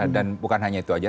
dan bukan hanya itu saja